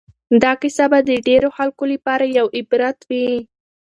دا کیسه به د ډېرو خلکو لپاره یو عبرت وي.